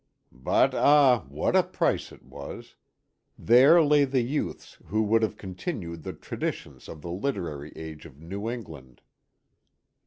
But ah, what a price it was! There lay the youths who would have continued the traditions of the literary age of New England.